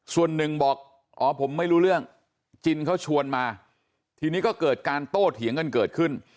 ส่วนหนึ่งบอกอ๋อผมไม่รู้เรื่องจินเขาชวนมาทีนี้ก็เกิดการโต้เถียงกันเกิดขึ้น